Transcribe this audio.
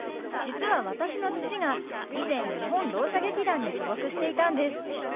実は私の父が以前日本ろう者劇団に所属していたんです。